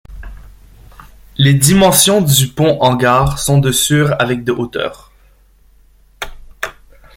Les dimensions du pont hangar sont de sur avec de hauteur.